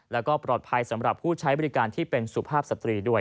แล้วก็ปลอดภัยสำหรับผู้ใช้บริการที่เป็นสุภาพสตรีด้วย